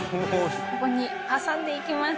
ここに挟んで行きます。